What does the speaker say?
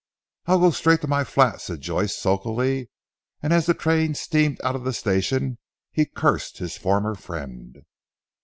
"I'll go straight to my flat," said Joyce sulkily, and as the train steamed out of the station he cursed his former friend.